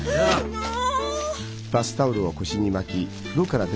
もう！